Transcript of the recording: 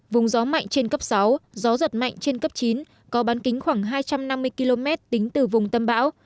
vùng gió mạnh trên cấp sáu gió giật mạnh trên cấp chín có bán kính khoảng hai trăm năm mươi km tính từ vùng tâm bão